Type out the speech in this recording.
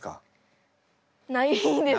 ないんです。